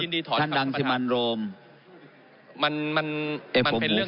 ผมยินดีถอนครับท่านดังสิมันโรมมันมันมันเป็นเรื่องหนึ่ง